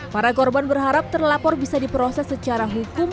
para korban berharap terlapor bisa diproses secara hukum